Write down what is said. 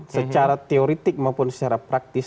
secara teoretik maupun secara praktis